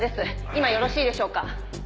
「今よろしいでしょうか？」